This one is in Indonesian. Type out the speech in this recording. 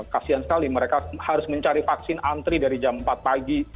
kasian sekali mereka harus mencari vaksin antri dari jam empat pagi